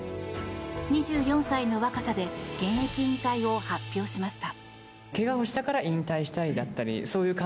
２４歳の若さで現役引退を発表しました。